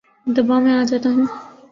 دباو میں آ جاتا ہوں